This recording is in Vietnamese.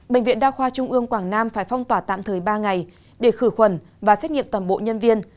bệnh viện đa khoa trung ương quảng nam phải phong tỏa tạm thời ba ngày để khử khuẩn và xét nghiệm toàn bộ nhân viên